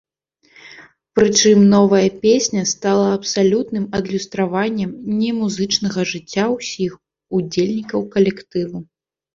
Прычым, новая песня стала абсалютным адлюстраваннем немузычнага жыцця ўсіх удзельнікаў калектыву.